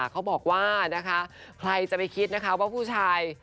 เขาบอกว่านะคะใครจะไปคิดนะคะว่าผู้ชาย